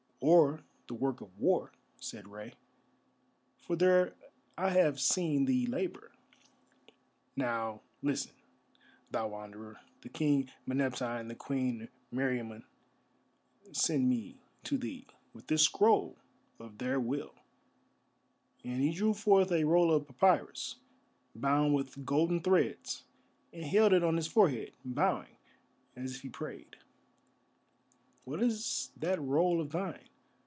"Or the work of war," said Rei. "For there I have seen thee labour. Now, listen, thou Wanderer, the King Meneptah and the Queen Meriamun send me to thee with this scroll of their will," and he drew forth a roll of papyrus, bound with golden threads, and held it on his forehead, bowing, as if he prayed. "What is that roll of thine?"